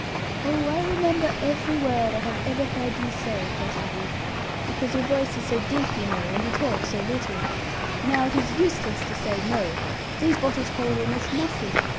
'Oh, I remember every word I have ever heard you say, Cousin Ridd; because your voice is so deep, you know, and you talk so little. Now it is useless to say "no". These bottles hold almost nothing.